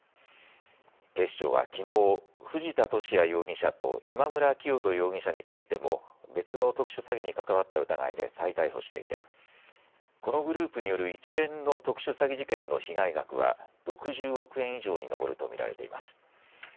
警視庁はきのう藤田聖也容疑者と今村磨人容疑者についても別の特殊詐欺に関わった疑いで再逮捕していてこのグループによる一連の特殊詐欺事件の被害額は６０億円以上に上ると見られています。